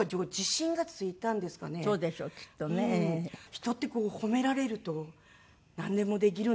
人って褒められるとなんでもできるんだなと思って。